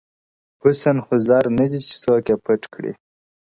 o حسن خو زر نه دى چي څوك يې پـټ كــړي،